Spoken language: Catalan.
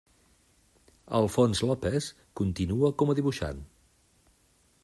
Alfons López continua com a dibuixant.